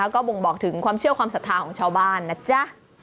ก็บ่งบอกถึงความเชื่อความศรัทธาของชาวบ้านนะจ๊ะ